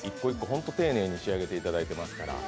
ホント丁寧に仕上げていただいてますから。